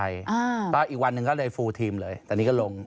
อีกวันหนึ่งก็ได้ฟูทีมเลยแต่นี่ก็ลง